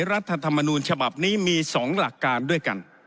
รัฐธรรมนูญฉบับนี้มี๒หลักการด้วยกัน